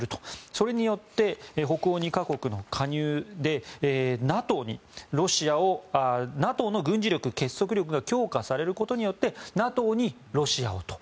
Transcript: それによって北欧２か国の加入でＮＡＴＯの軍事力、結束力を強化されることによってＮＡＴＯにロシアをと。